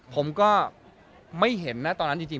ผมก็ไม่เห็นนะตอนนั้นจริง